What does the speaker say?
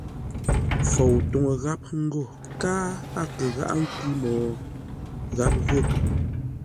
Fou túŋu gháp ńgó káa a kə gháʼá ńkwʉ́ mô gháp ghó.